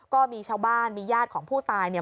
ก็มีชาวบ้านมีญาติของผู้ตายเนี่ย